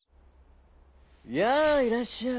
「やあいらっしゃい。